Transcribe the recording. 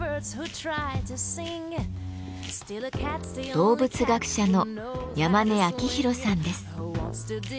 動物学者の山根明弘さんです。